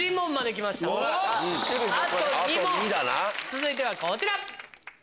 続いてはこちら。